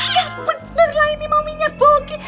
iya bener lah ini mominya bogi